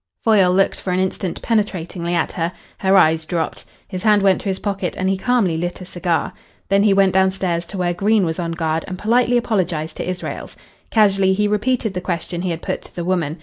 Foyle looked for an instant penetratingly at her. Her eyes dropped. His hand went to his pocket and he calmly lighted a cigar. Then he went downstairs to where Green was on guard and politely apologised to Israels. Casually he repeated the question he had put to the woman.